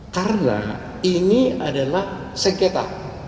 karena ini adalah sengketa